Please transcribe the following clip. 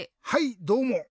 はいどうも！